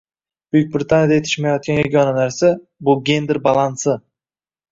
Buyuk Britaniyada yetishmayotgan yagona narsa – bu gender balansi.